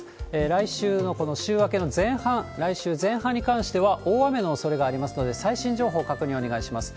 来週のこの週明けの前半、来週前半に関しては大雨のおそれがありますので、最新情報、確認をお願いします。